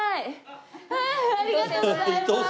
ありがとうございます。